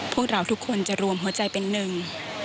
พวกเราทุกคนจะรวมหัวใจเป็นหนึ่ง